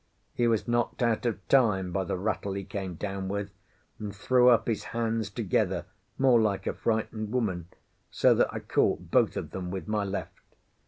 He was knocked out of time by the rattle he came down with, and threw up his hands together, more like a frightened woman, so that I caught both of them with my left.